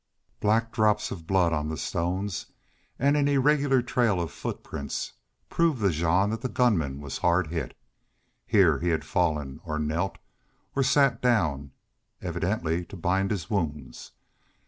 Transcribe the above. Black drops of blood on the stones and an irregular trail of footprints proved to Jean that the gunman was hard hit. Here he had fallen, or knelt, or sat down, evidently to bind his wounds.